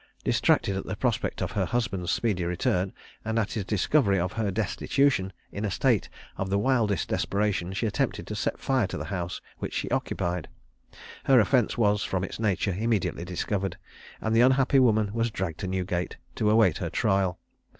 Distracted at the prospect of her husband's speedy return, and at his discovery of her destitution, in a state of the wildest desperation she attempted to set fire to the house which she occupied. Her offence was, from its nature, immediately discovered, and the unhappy woman was dragged to Newgate to await her trial.